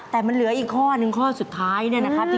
แต่มันเหลืออีกข้อนึงข้อสุดท้ายเนี่ยนะครับ